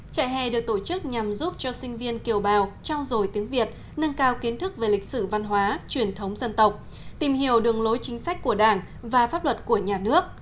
trại hè được tổ chức nhằm giúp cho sinh viên kiều bào trao dồi tiếng việt nâng cao kiến thức về lịch sử văn hóa truyền thống dân tộc tìm hiểu đường lối chính sách của đảng và pháp luật của nhà nước